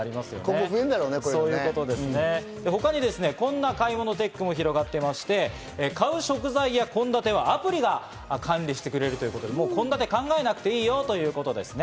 さらにこんな買い物テックも広がってまして、買う食材や献立をアプリが管理してくれるということで、もう献立を考えなくていいよということですね。